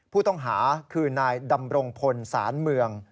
ผู้ต้องหาคือนายดำรงพลศาลเมือง